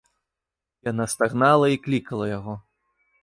Яна стагнала і клікала яго.